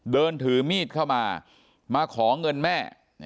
เดินถือมีดเข้ามามาขอเงินแม่